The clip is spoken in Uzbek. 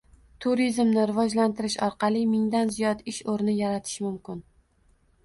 Turizmni rivojlantirish orqali mingdan ziyod ish o‘rni yaratish mumkin